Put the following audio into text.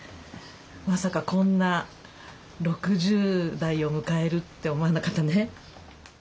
まさかこんな６０代を迎えるって思わなかったね。